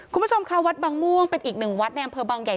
คุณผู้ชมค่ะวัดบางม่วงเป็นอีกหนึ่งวัดในอำเภอบางใหญ่